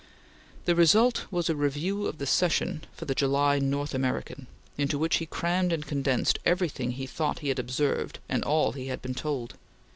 The result was a review of the Session for the July North American into which he crammed and condensed everything he thought he had observed and all he had been told.